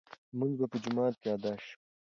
لمونځ په جومات کې ادا شو.